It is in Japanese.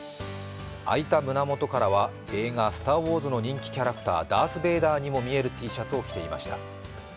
開いた胸元からは映画「スター・ウォーズ」の人気キャラクターダース・ベイダーにも見えるＴシャツを着ていました。